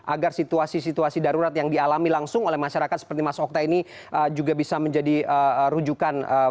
agar situasi situasi darurat yang dialami langsung oleh masyarakat seperti mas okta ini juga bisa menjadi rujukan